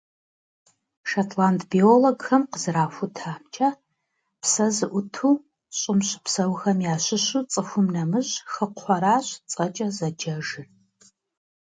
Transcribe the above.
Шотланд биологхэм къызэрахутамкӏэ, псэ зыӏуту Щӏым щыпсэухэм ящыщу цӏыхум нэмыщӏ хыкхъуэращ цӏэкӏэ зэджэжыр.